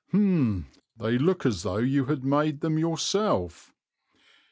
"Mphm! they look as if you had made them yourself."